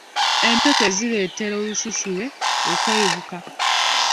Empeke zireetera olususu lwe okweyubuka.